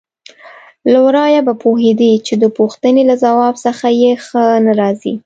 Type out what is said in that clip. له ورايه به پوهېدې چې د پوښتنې له ځواب څخه یې ښه نه راځي.